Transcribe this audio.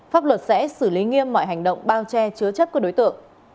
pháp luật sẽ xử lý nghiêm mọi hành động bao che chứa chấp của đối tượng